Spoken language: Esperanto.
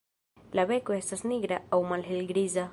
La beko estas nigra aŭ malhelgriza.